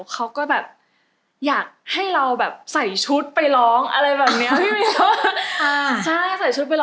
เขาก็อยากให้เราใส่ชุดไปร้องอะไรแบบนี้